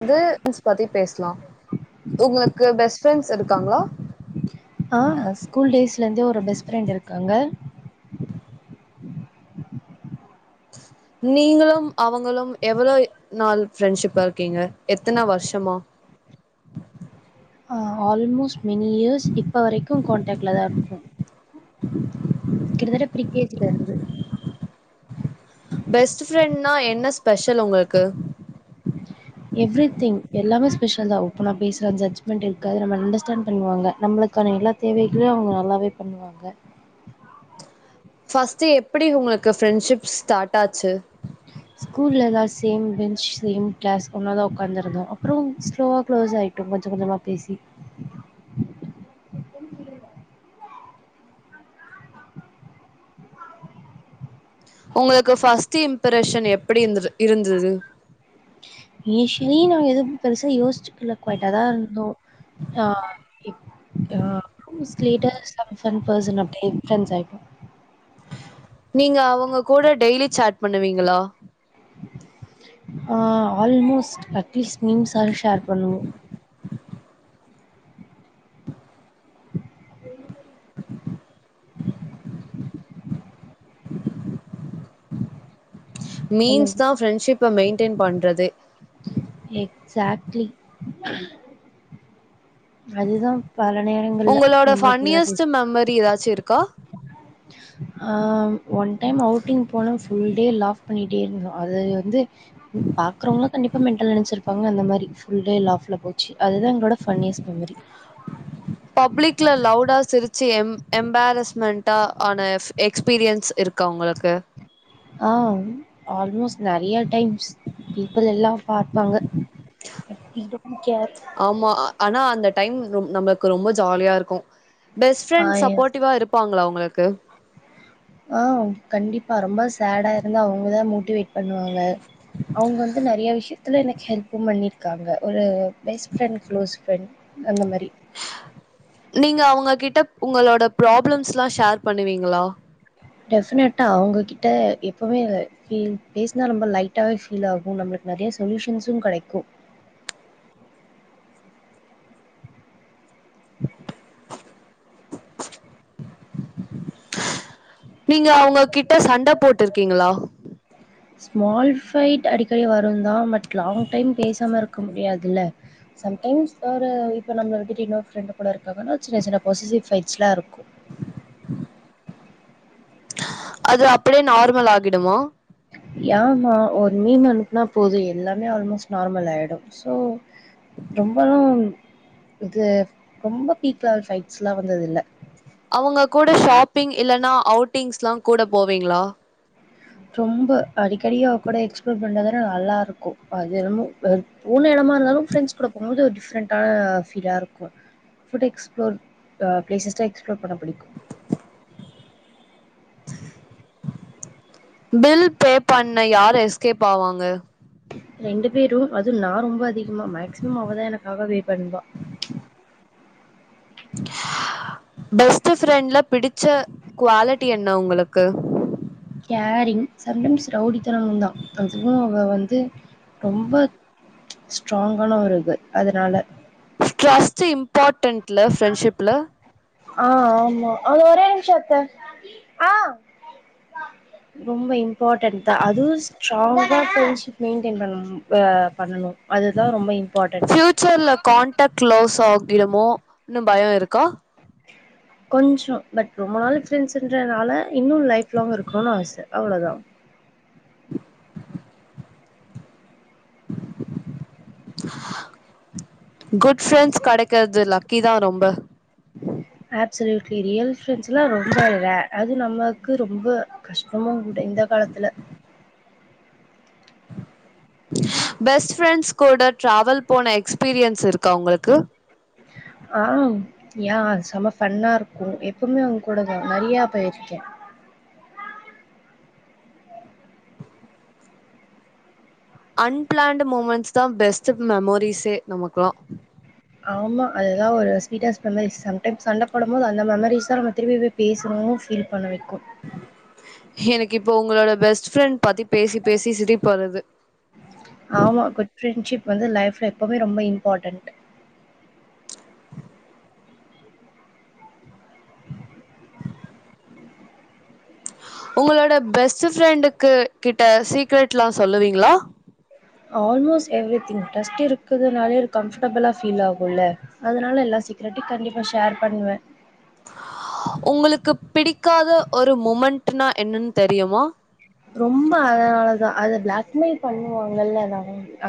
வந்து ஃப்ரண்ட்ஸ் பத்தி பேசலா உங்களுக்கு பெஸ்ட் ஃப்ரெண்ட்ஸ் இருக்காங்ளா? ஆ ஸ்கூல் டேஸ்லருந்தே ஒரு பெஸ்ட் ஃப்ரெண்ட் இருக்காங்க நீங்களும் அவங்களும் எவ்ளோ நாள் ஃப்ரெண்ட்ஷிப்பா இருக்கீங்க எத்தன வருஷமா ஆல்மோஸ்ட் மெனி இயர்ஸ் இப்ப வரைக்கு கான்டெக்ட்லதா இருக்கோ கிட்டத்தட்ட ப்ரிகேஜில இருந்து பெஸ்ட் ஃப்ரெண்ட்னா என்ன ஸ்பெஷல் உங்களுக்கு எவ்ரிதிங் எல்லாமே ஸ்பெஷல் தா ஓப்பனா பேசுறா ஜட்ஜிமெண்ட் இருக்காது நம்மள அண்டர்ஸ்டாண்ட் பண்ணுவாங்க நம்மளுக்கான எல்லா தேவைகளையு அவங்க நல்லாவே பண்ணுவாங்க ஃபர்ஸ்ட் எப்டி உங்களுக்கு ஃப்ரெண்ட்ஷிப் ஸ்டார்ட் ஆச்சு ஸ்கூல்லதா சேம் பெஞ்ச் சேம் கிளாஸ் ஒன்னாதா ஒட்காந்துருந்தோ அப்றோ ஸ்லோவா க்ளோஸ் ஆயிட்டோ கொஞ்சம் கொஞ்சமா பேசி உங்களுக்கு ந்துது யூஷ்வலி நாங்க ஏதும் பெருசா யோசிச்சிகல கொய்ட்டாதா இருந்தோ, ஆ இப் ஆ லேட்டர் சம் சம் பர்சன் அப்டே ஃபிரண்ட்ஸ் ஆயிட்டோ நீங்க அவங்க கூட டெய்லி சேட் பண்ணுவீங்களா? அ ஆல்மோஸ்ட் கிட்ஸ் மீம்ஸ்சா ஷேர் பண்ணுவோ மீன்ஸ் சொல்லுங்க. தான் ஃப்ரெண்ட்ஷிப்ப மெயின்டெயன் பண்றதே எக்ஸாட்லி அதுதான் பல நேரங்கள்ல உங்களோட நம்மளுக்கு எதிரா ஃபன்னியஸ்ட் மெமரி ஏதாச் சு இருக்கா ஆஹ் ஒன் டைம் அவுட்டிங் போன புல்டே லாஃப் பண்ணிட்டே இருந்தோம் அது வந்து பாக்குறவங்கள கண்டிப்பா மென்டல்ன்னு இருப்பாங்க அந்த மாதிரி ப்புல்டே லாஃப்ல போச்சு அதுதான் எங்கலோடா ஃபன்னியஸ்ட் மெமரி பப்ளிக்ல லவுடா சிரிச்சு எம் எம்பாரஸ்மெண்டான எஃப் எக்ஸ்பீரியன்ஸ் இருக்க உங்களுக்கு ஆ ஆல்மோஸ்ட் நெறைய டைம்ஸ் பீப்புள் எல்லா ஓகே ஆமா ஆனா அந்த டைம் நம்மளுக்கு ரொம்ப ஜாலியா இருக்கும் பெஸ்ட் ஆ ஃப்ரெண்ட் எஸ் சப்போர்டிவா இருப்பாங்களா உங்களு க்கு ஆ கண்டிப்பா ரொம்ப சேடா இருந்தா அவுங்கதா மோட்டிவேட் பண்ணுவாங்க அவுங்க வந்து நறைய விஷயத்துல எனக்கு ஹெல்ப்பு பண்ணிருக்காங்க ஒரு பெஸ்ட் ஃப்ரெண்ட் க்ளோஸ் ஃப்ரெண்ட் அந்த மாரி நீங்க அவங்க கிட்ட உங்களோட ப்ராப்ளம்ஸ்லா ஷேர் பண்ணுவீங்களா டெஃபினட்டா அவுங்ககிட்ட எப்பமே பீல் பேஸ்னா ரொம்ப லைட்டாவே ஃபீல் ஆகு நம்ளுக்கு நறையா சொல்யூஷன்ஸு கடைக்கு நீங்க அவுங்க கிட்ட சண்ட போட்டுர்க்கீங்களா ஸ்மால் ஃபைட் அடிக்கடி வருந்தா பட் லாங் டைம் பேசாம இருக்க முடியாது தில்ல சம்டைம்ஸ் ஒரு இப்போ நம்மள விட்டுட்டு இன்னொரு ஃப்ரெண்டு் கூட இருக்காங்கனா சின்ன சின்ன பொசசிவ் ஃபைட்ஸ்லா இருக்கு அது அப்டியே நார்மல் ஆகிடுமா ஏமா ஒரு மீம் அனுப்னா போது எல்லாமே ஆல்மோஸ்ட் நார்மல் ஆய்டு சோ ரொம்பல்லா இது ரொம்ப பீக்லவல் ஃபைட்ஸ்லா வந்தது இல்ல அவுங்க கூட ஷாப்பிங் இல்லன்னா அவ்ட்டிங்ஸ்ல்லா கூட போவீங்ளா ரொம்ப அடிக்கடி அவ கூட எக்ஸ்ப்ளோர் பண்றது நல்லா இருக்கு அது என்னமோ போன எடமா இருதாலு ஃப்ரண்டஸ் கூட போம் போது ஒரு டி ஃப்ரெண்ட ஃபீலா இருக்கு ஃபுட் எக்ஸ்ப்ளோர் ஆ பிளேஸஸ்டா எக்ஸ்ப்ளோர் பண்ண பிடிக்கு பில் ஃபே பண்ண யார் எஸ்கேப் ஆவாங்க ரெண்டு பேரு அது நா ரொம்ப அதிகமா மேக்சிமம் அவதா எனக்காக வே பண்வா பெஸ்ட் ப்ரெண்ட்ல பிடிச்ச குவாலிட்டி என்ன உங்ளுக் க்கு கேரிங் சம் டைம்ஸ் ரவுடித்தனமு தா அதுவு அவ வந்து ரொம்ப ஸ்ட்ராங்கான ஒரு கேல் அதனால ட்ரஸ்ட்டு இம்பார்டன்ட்ல ஃப்ரெண்ட்ஷிப்ல ஆ ஆமா ஆ ஓரே நிமிஷோ அத்த ஆ ரொம்ப இம்பாட்டண் தா அதுவு ஸ்ட்ராங்கா ப்ரெண்ஷிப் மேண்டெய்ன் பண்ணு அ பண்ணனு அதுதா ரொம்ப இம்பார்ட்டன்ட் கிடுமோ இன்னு பயோ இருக்கா கொஞ்சோ பட் ரொம்ப நாள் ஃப்ரெண்ட்ஸ்ன்றதுனால இன்னு லைஃப் லாங் இருக்கணுன் ஆச அவ்ளதா குட் ப்ரெண்ட்ஸ் கடைக்கிறது லக்கிதா ரொம்ப அப்சல்யூட்லி ரியல் ப்ரெண்ட்ஸ்லா ரொம் ர அது நமக்கு ரொம்ப கஷ்டமு கூட இந்த காலத்துல பெஸ்ட் ஃரெண்ட்ஸ் கூட டிராவல் போன எக்ஸ்பீரியன்ஸ் இருக்கா உங்களுக்கு ஆ யா செம ஃபண்ணா இருக்கு எப்பமே அவங்க கூடதா நறையா போய்ருக்கே அன்பிளான்ட் மூமெண்ட்ஸ் தா பெஸ்ட் மெமோரிஸே நமக்குலா ஆமா அதுதா ஒரு ஸ்வீட்டஸ் மெமரிஸ் சம்டைம்ஸ் சண்ட போடும் போது அந்த மெமரிஸ் தா நம்ம திருப்பி போய் பேசுறோ ஃபீல் பண்ண வைக் கும் எனக்கு இப்போ உங்களோட பெஸ்ட் ஃப்ரெண்ட் பத்தி பேசி பேசி சிரிப்பருது ஆமா குட் ஃப்ரெண்ட்ஷிப் வந்து லைஃப்ல எப்பமே ரொம்ப இம்பார்ட்டன்ட் உங்களோட பெஸ்ட் ஃப்ரெண்டுக்கு கிட்ட சீக்ரட்லா சொல்லுவீங்ளா ஆல்மோஸ்ட் எவ்ரி திங் ட்ரஸ்ட் இருக்கதுனாலயே எனக்கு கம்ஃபர்டபிளா ஃபீல் ஆகும்ல்ல அதனால எல்லா சீக்கரட்டையு கண்டிப்பா ஷேர் பண்ணுவ உங்களுக்கு பிடிக்காத ஒரு முமெண்ட்னா என்னன் தெரியுமா ரொம்ப அதனாலதா அத பிளாக்மெயில் பண்ணுவாங்கல்ல அதா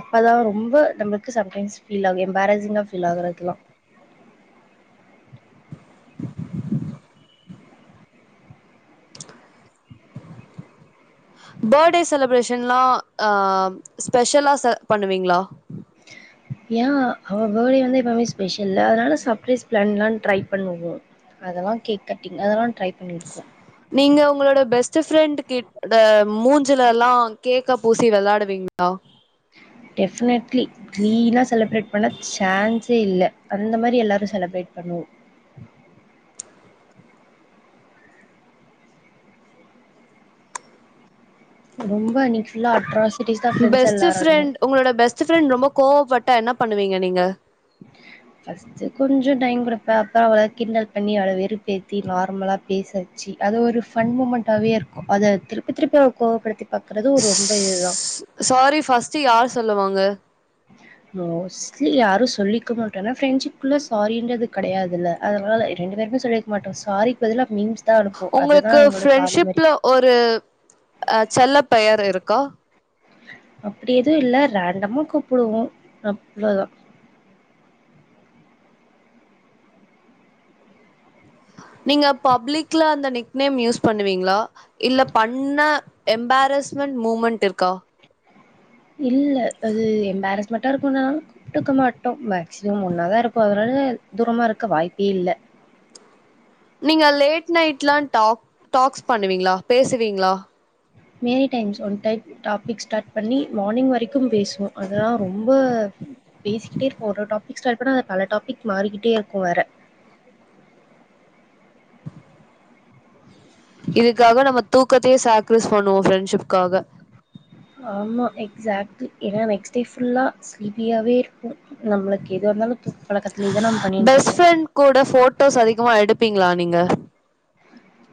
அப்பதா ரொம்ப நம்மளுக்கு சம்டைம்ஸ் பீல் ஆகு எம்பாரசிங்கா ஃபீல் ஆகுறதுல்லா படே செலிப்ரேஷன்லா அம் ஸ்பெஷலா ச பண்ணுவீங்ளா ஏ அவ படே வந்து எப்பமே ஸ்பெஷல் அதனால சர்பரைஸ் பிளான்லா ட்ரை பண்ணுவோ அதெல்லா கேக் கட்டிங் அதெல்லா ட்ரை பண்ணிருக்கோ நீங்க உங்களோட பெஸ்ட் ஃப்ரெண்ட் கிட மூஞ்சுல எல்லாம் கேக்க பூசி விளாடுவீங்களா டெபினெட்லி கிளீனா செலிப்ரேட் பண்ண சான்ஸே இல்ல அந்த மாதிரி எல்லாரும் செலப்ரேட் பண்ணுவோம் ரொம்ப இன்னைக்கு ஃபுல்லா அட்ராஸ் பெஸ்ட் ஃப்ரெண்ட் உங்களோட பெஸ்ட் ஃப்ரெண்ட் ரொம்ப கோவப்பட்டா என்ன பண்ணுவீங்க நீங்க ஃபர்ஸ்ட் கொஞ்சம் டைம் கொடுப்பே அப்புறம் அவள கின்டல் பண்ணி அவள வெறுப்பேத்தி நார்மலா பேசவச்சு அது ஒரு ஃபண் மூமெண்டாவே இருக்கும் அத திருப்பி திருப்பி அவ கோவப்படுத்த சுசுசு சாரி பஃஸ்ட்ட் யார் சொல்லுவாங்க மோஸ்ட்லி யாரும் சொல்லிக்க மாட்டோம்ன்னாரெண் ஏன ஃப்ரெண்ட்சிப்க்குள்ள சாரின்றது கிடையாதுல்ல அதனால ரெண்டு பேருமே சொல்லிக்க மாட்டோம் சாரிக்கு பதில மீம்ஸ் தா அனுப்புவோ அதுதா உங்களுக்கு எங்களோட சாரி மாரி ஃப்ரெண்ட்ஷிப்ல ஒரு அஹ் செல்ல பெயர் இருக்கா அப்படி எதுவும் இல்ல ரேண்டமா கூப்பிடுவோம் அவ்லோதா நீங்க பப்ளிக்ல அந்த நிக்நேம் யூஸ் பண்ணுவீங்களா இல்ல பண்ண எம்பாரிஸ்மெண்ட் மூமெண்ட் இருக்கா இல்ல அது எம்பாரிஸ்மெண்ட் டருக்கும்ன குப்ட்டுக்க மாட்டோம் மேக்சிமம் ஒன்னாதா இருப்போ அதனால தூரமா இருக்க வாய்ப்பே இல்ல நீங்க லேட் நைட்லாம் டாக் டாக்ஸ் பண்ணுவீங்களா பேசுவீங்களா many times one type topic start பண்ணி மார்னிங் வரைக்கும் கும் பேசுவோம் அதெல்லாம் ரொம்ப பேசிக்கிட்டே இருக்கும்போ ஒரு டாப் ஸ்டார்ட பண்ண அத பல டாபிக் மாறிக்கிட்டே இருக்கும் வேற இதுக்காக நம்ம தூக்கத்தையே சாக்ரீஸ் பண்ணுவோம் ஃப்ரெண்ட்ஷிப்காக ஆமா எக்ஸாக்ட்லி ஏன்னா நெக்ஸ்ட் டே ஃபுல்லா ஸ்லிபியாவே இருக்கும் நம்மளுக்கு எதா இருந்தாலும் தூக்க கலகத்துலையேதா நம்ம பண்ணிட்டு இருக்கோம் பீங்களா நீங்க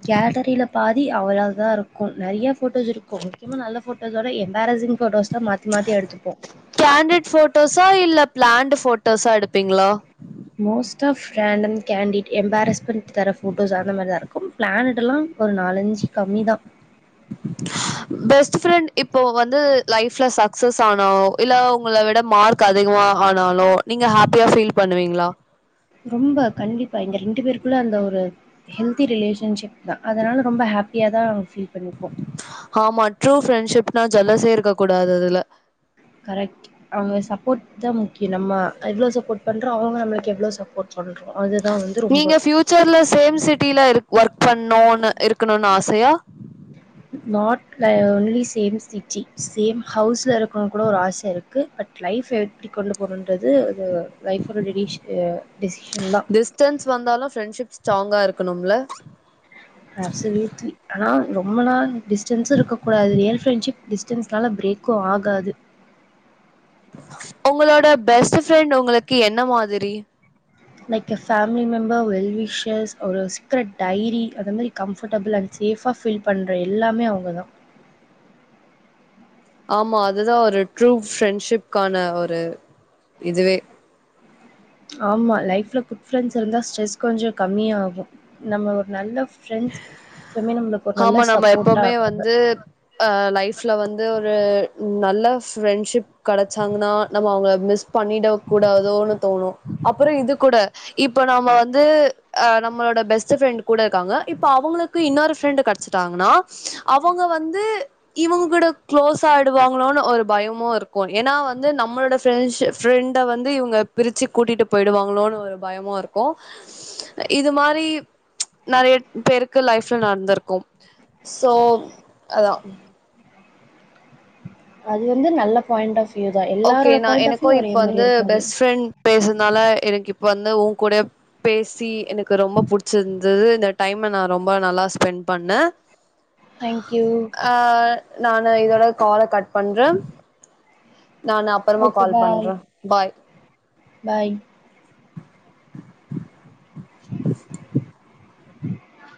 கேலரியில பாதி அவளா தா இருக்கு நறையா ஃபோட்டோஸ் இருக்கு முக்கியமா நல்ல ஃபோட்டோஸோட எம்பாரசிங் ஃபோட்டோஸ் கேண்டிட் ஃபோட்டடோஸ்ஸா இல்ல பிளாண்ட் ஃபோட் டோசா எடுப்பீங்களா most of random candid embarrassment தர ஃபோட்டோஸ் அந்த மாதிரிதா இருக்கும் பிளான்டு லாம் ஒரு நாலஞ்சு கம்மி தான் பெஸ்ட் ஃபிரெண்ட் இப்போ வந்து லைப்ல சக்சஸ் ஆனோ இல்ல உங்கள விட மார்க் அதிகமா ஆ னாலோ நீங்க ஹேப்பியா ஃபீல் பண்ணுவீங்க ங்ளா ரொம்ப கண்டிப்பா எங்க ரெண்டு பேருக்குள்ள அந்த ஒரு ஹெல்தி ரிலேஷன்ஷிப் தா அதனால ரொம்ப ஹேப்பியா தா ஃபீல் பண்ணிப்போ நா ஜலசே இருக்க கூடாது அதுல கரெக்ட் அவங்க சப்போர்ட் தா முக்கிய நம்ம எவ்ளோ சப்போர்ட் பண்றோ அவங்க நம்ளுக்கு எவ்ளோ சப்போர்ட் பண்ணுறோம் அதுதான் வந்து ரொம்ப நீங்க ப்யூச்சர்ல சேம் சிட்டில இருக் ஒர்க் பண்ணனு இருக்கணுனு ஆச சயா நாட் ல ஒன்லி சேம் சிட்டி சேம் ஹவுஸ்ல இருக்கணுனு கூட ஒரு ஆச இருக்கு பட் லைஃப் எப்டி கொண்டு போணு ன்றது அது லைஃப் ஓட டெடிஷ் டெசிஷன் தா டிஸ்டன்ஸ் வந்தாலு ஃப்ரெண்ட்ஷிப் ஸ்ட்ராங்கா இருக்கணும்ல அப்சல்யூட்லி ஆனா ரொம்ப நாள் டிஸ் டன்ஸ் இருக்கூடாது ரியல் ஃப்ரெண்டஷிப் டிஸ்டன்ஸ்னால பிரேக்கு ஆகாது உங்களோட பெஸ்ட் ஃப்ரெண்ட் உங்களுக்கு என்ன மாதிரி like a family member well wishes ஒரு சீக்கரட் டைரி அந்த மாரி கம்ஃபர்டபிள் அண்ட் சேஃபா ஃபீல் பண்ற எல்லாமே அவுங்க தா ஆமா அது தா ஒரு ட்ரூ ஃப்ரெண்ட்ஷிப்கான ஒரு இதுவே ஆமா லைஃப்ல குட் ஃபிரண்ட்ஸ் இருந்தா ஸ்ட்ரெஸ் கொஞ்ச கம்மியாகு நம்ம ஒரு நல்ல ஃப்ரெண்ட்ஸ் எப்பவுமே நம்மளுக்கு ஒரு நல்ல ஆமா நம்ம சப்போர்ட்டா எப்போமே இருப்பாங்க. வந்து அஹ் லைஃப்ல வந்து ஒரு நல்ல ஃப்ரெண்ட்ஷிப் கெடச்சாங்னா நம்ம அவங்கள மிஸ் பண்ணிட கூடாதோனு தோணு அப்பற இது கூட இப்போ நம்ம வந்து நம்மளோட பெஸ்ட் ஃப்ரெண்ட் கூட இருக்காங்க இப்போ அவங்களுக்கு இன்னொரு ஃப்ரெண்டு் கிடச்சட்டாங்ன்னா அவுங்க வந்து இவுங்க கூட க்ளோஸ் ஆயிடுவாங்களோனு ஒரு பயமு இருக்கு ஏன்னா வந்து நம்மளோட ஃப்ரேண்ஷிப் ஃப்ரெண்ட வந்து இவங்க பிரிச்சு கூட்டிட்டு போயிடுவாங்களோனு ஒரு பயமு இருக்கு இது மாரி நறைய பேருக்கு லைஃப்ல நடந்திருக்கு சோ அதா அது வந்து நல்ல பாயிண்ட் ஆஃப் வியூ தான். ஓகே எல்லாரோட நா பாயிண்ட் ஆஃப் எனக்கு வியூ ஒரே இப்ப மாரி வந்து இருக்காது. பெஸ்ட் ஃரெண்ட் பேசனால எனக்கு இப்ப வந்து உங்கூட பேசி எனக்கு ரொம்ப பிடிச்சுருந்தது இந்த டைம நா ரொம்ப நல்லா ஸ்பெண்ட் பண்ணே தேங்க் யூ ஆ நானு இதோட கால கட் பண்ற நானு அப்பறமா ஓகே கால் பாய். பண்ற பாய் பாய் [inaudible]